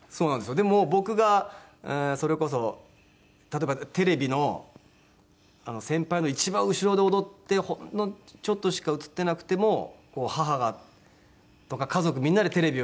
でも僕がそれこそ例えばテレビの先輩の一番後ろで踊ってほんのちょっとしか映ってなくても母とか家族みんなでテレビを見たりとか。